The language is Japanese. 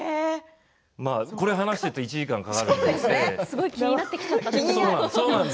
これを話していると１時間かかるので。